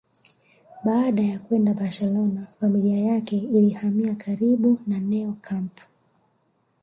Baada ya kwenda Barcelona familia yake ilihamia karibu na Neo camp